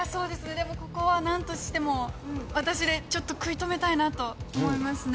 でもここはなんとしても私でちょっと食い止めたいなと思いますね。